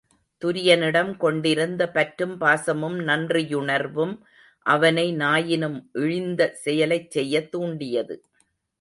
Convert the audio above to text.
துரியனிடம் கொண்டிருந்த பற்றும் பாசமும் நன்றி யுணர்வும் அவனை நாயினும் இழிந்த செயலைச் செய்யத் தூண்டியது.